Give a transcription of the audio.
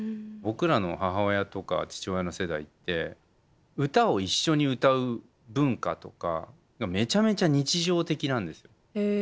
僕らの母親とか父親の世代って歌を一緒に歌う文化とかめちゃめちゃ日常的なんですよ。